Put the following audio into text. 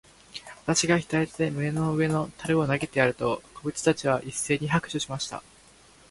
私が左手で胸の上の樽を投げてやると、小人たちは一せいに拍手しました。